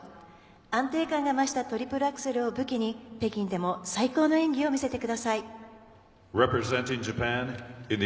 安定感が増したトリプルアクセルを武器に北京でも最高の演技を見せてください。